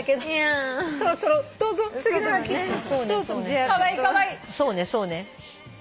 そうねそうね。